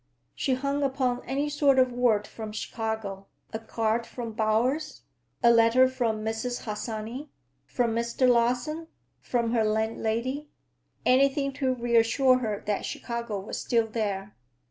She hung upon any sort of word from Chicago; a card from Bowers, a letter from Mrs. Harsanyi, from Mr. Larsen, from her landlady,—anything to reassure her that Chicago was still there.